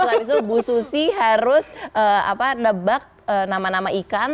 setelah itu bu susi harus nebak nama nama ikan